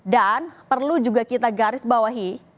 dan perlu juga kita garis bawahi